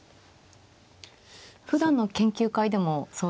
ふだんの研究会でもそうですか？